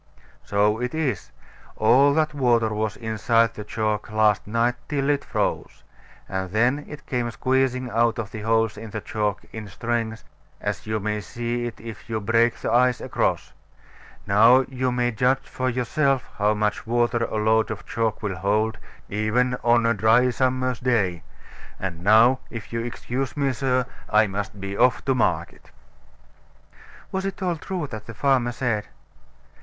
So it is. All that water was inside the chalk last night, till it froze. And then it came squeezing out of the holes in the chalk in strings, as you may see it if you break the ice across. Now you may judge for yourself how much water a load of chalk will hold, even on a dry summer's day. And now, if you'll excuse me, sir, I must be off to market. Was it all true that the farmer said?